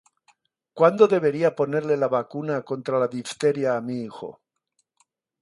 ¿Cuándo debería ponerle la vacuna contra la difteria a mi hijo?